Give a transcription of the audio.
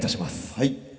はい。